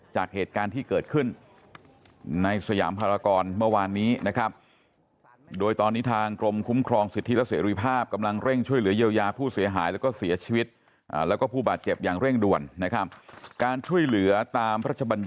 จากเหตุการณ์ที่เกิดขึ้นในสยามภารกรเมื่อวานนี้นะครับ